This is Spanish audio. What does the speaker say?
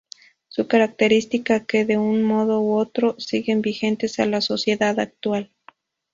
Son características que, de un modo u otro, siguen vigentes en la sociedad actual.